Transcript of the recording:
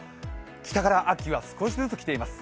北から秋は少しずつ来ています。